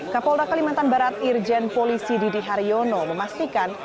kapolda kalimantan barat irjen polisi didi haryono memastikan